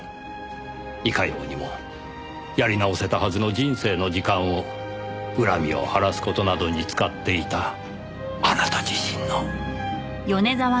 いかようにもやり直せたはずの人生の時間を恨みを晴らす事などに使っていたあなた自身の。